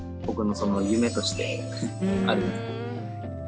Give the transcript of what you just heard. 僕の夢としてある。